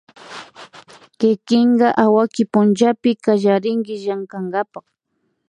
kikinka awaki pullapi kallarinki llankakapak